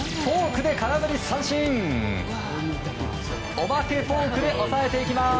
お化けフォークで抑えていきます。